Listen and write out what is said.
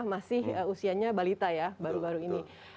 masih usianya balita ya baru baru ini